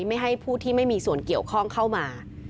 ไม่ให้ผู้ที่ไม่มีส่วนเกี่ยวข้องเข้ามา